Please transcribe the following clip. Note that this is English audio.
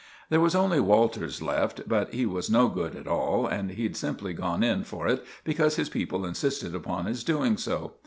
There was only Walters left, but he was no good at all, and he'd simply gone in for it because his people insisted upon his doing so.